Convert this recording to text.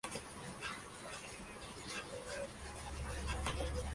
Podía haberlo logrado.